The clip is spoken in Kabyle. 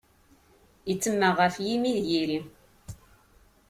Ittemmeɣ ɣef yimi d yiri.